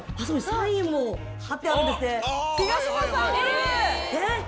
サインも張ってあるんですね。